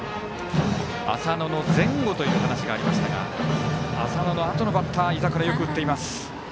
浅野の前後という話がありましたが浅野のあとのバッター、井櫻よく打っています。